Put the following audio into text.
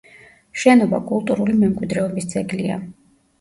შენობა კულტურული მემკვიდრეობის ძეგლია.